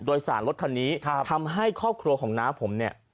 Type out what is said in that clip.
โดยสารรถคันนี้ทำให้ครอบครัวของน้าผมเนี่ย